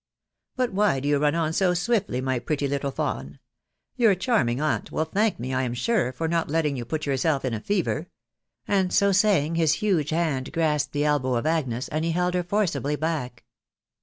... But why do you run on so swMdgn, taj: little fawn? Your charming aunt will thank me*. I ai for not letting yon put yourself in a fever;" and so i saying hi* huge hand grasped the elbow of Agnes, and ha held kecfanaUj* back.